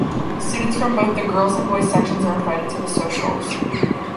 Students from both the girls and boys sections are invited to the socials.